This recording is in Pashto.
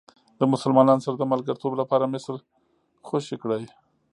د مسلمانانو سره د ملګرتوب لپاره مصر خوشې کړئ.